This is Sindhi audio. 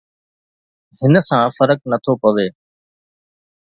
هن سان فرق نٿو پئي